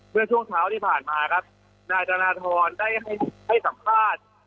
เมื่อช่วงเช้าที่ผ่านมาครับนายธนทรได้ให้สัมภาษณ์